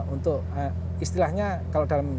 untuk istilahnya kalau dalam